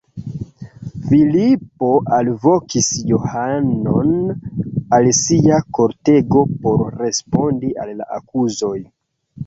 Filipo alvokis Johanon al sia kortego por respondi al la akuzoj.